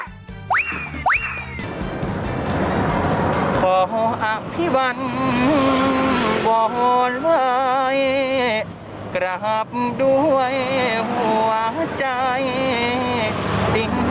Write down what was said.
ไม่ไม่ไม่ขออภิวัณฑ์ก่อนไหลกราบด้วยหัวใจจริง